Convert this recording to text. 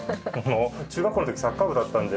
中学校の時サッカー部だったので。